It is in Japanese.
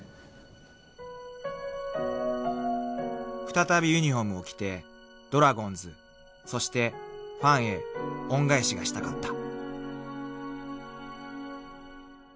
［再びユニホームを着てドラゴンズそしてファンへ恩返しがしたかった］